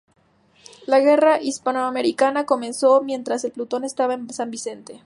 La Guerra Hispano-Norteamericana comenzó mientras el "Plutón" estaba en San Vicente.